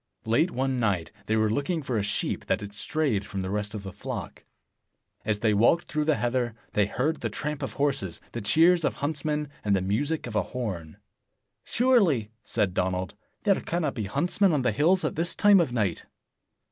Late one night, they were looking for a sheep that had strayed from the rest of the flock. As they walked through the heather, they heard the tramp of horses, the cheers of huntsmen, and the music of a horn. "Surely, " said Donald, "there cannot be huntsmen on the hills at this time of night."